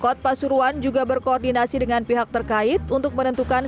kota pasuruan juga berkoordinasi dengan pihak terkait untuk menentukan